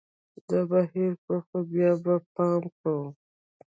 دا به هېر کړو ، خو بیا به پام کوو